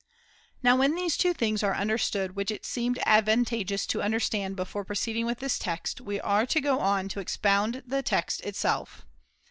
] Now when these two things are understood which The root it seemed advantageous to understand before pro 0^ virtues ceeding with the text, we are to go on to ex "• pound the text itself.